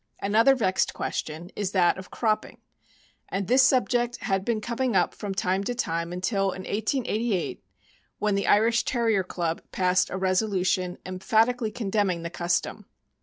Another vexed question is that of cropiDing, and this sub ject had been coming up from time to time until in 1888, when the Irish Terrier Club passed a resolution emphatic ally condemning the custom.